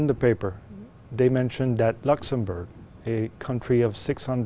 trong bài hỏi này họ đã nói rằng luxembourg một quốc gia có sáu trăm linh ngàn người